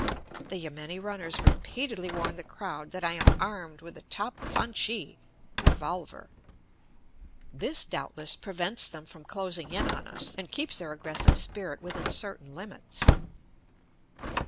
The yameni runners repeatedly warn the crowd that I am armed with a top fanchee (revolver); this, doubtless, prevents them from closing in on us, and keeps their aggressive spirit within certain limits.